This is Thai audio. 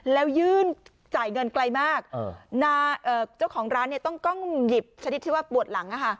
แล้วยื่นจ่ายเงินไกลมากเจ้าของร้านเนี่ยต้องกล้องหยิบชนิดที่ว่าปวดหลัง